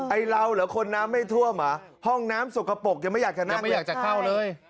ไอ้เราเหรอคนน้ำไม่ท่วมเหรอห้องน้ำสกปรกยังไม่อยากจะน้ำไม่อยากจะเข้าเลย